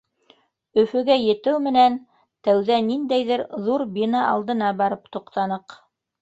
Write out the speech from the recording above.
Өфөгә етеү менән тәүҙә ниндәйҙер ҙур бина алдына барып туҡтаныҡ.